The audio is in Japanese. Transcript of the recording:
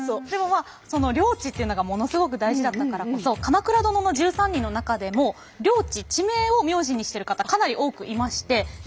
でもまあ領地っていうのがものすごく大事だったからこそ「鎌倉殿の１３人」の中でも領地地名を名字にしてる方かなり多くいまして。